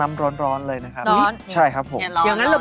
แม่นวดสิแม่